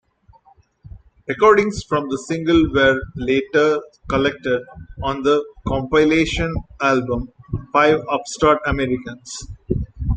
Recordings from the single were later collected on the compilation album "Five Upstart Americans".